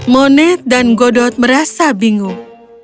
moned dan godot merasa bingung